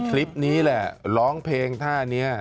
คลิปนี้แหละร้องเพลงท่านี้